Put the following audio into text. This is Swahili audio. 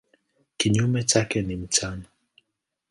Kinyume chake ni mchana.